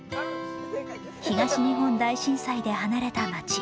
東日本大震災で離れた町。